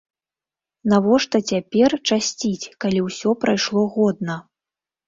Навошта цяпер часціць, калі ўсё прайшло годна?